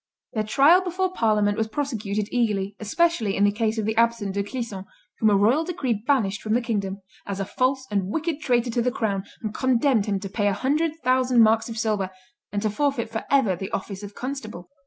Their trial before parliament was prosecuted eagerly, especially in the case of the absent De Clisson, whom a royal decree banished from the kingdom "as a false and wicked traitor to the crown, and condemned him to 'pay a hundred thousand marks of silver, and to forfeit forever the office of constable.